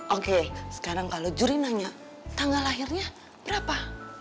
oke sekarang kalau juri nanya tanggal lahirnya berapa